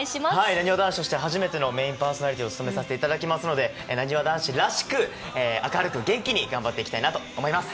なにわ男子として初めてのメインパーソナリティーを務めさせていただきますので、なにわ男子らしく、明るく元気に頑張っていきたいなと思います。